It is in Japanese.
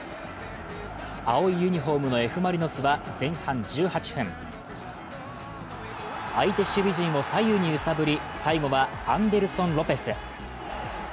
青いユニフォームのＦ・マリノスは前半１８分、相手守備陣を左右に揺さぶり、最後はアンデルソン・ロペス。